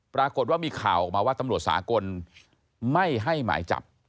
ปรากฏว่ามีข่าวออกมาว่าตำรวจสากลไม่ให้หมายจับ